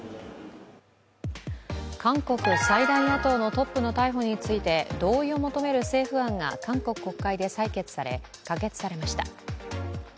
韓国最大野党のトップの逮捕について同意を求める政府案が韓国国会で採決され、可決されました。